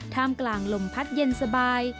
ท่ามกลางลมพัดเย็นสบาย